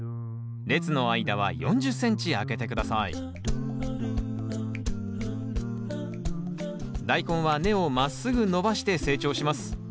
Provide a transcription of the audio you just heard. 列の間は４０ｃｍ空けて下さいダイコンは根をまっすぐ伸ばして成長します。